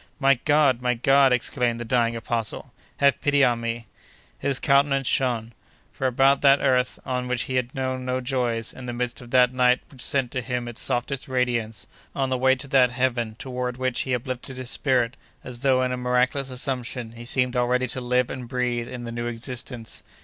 "My God! my God!" exclaimed the dying apostle, "have pity on me!" His countenance shone. Far above that earth on which he had known no joys; in the midst of that night which sent to him its softest radiance; on the way to that heaven toward which he uplifted his spirit, as though in a miraculous assumption, he seemed already to live and breathe in the new existence.